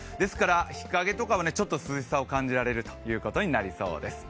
日陰とかは、ちょっと涼しさを感じられることになりそうです。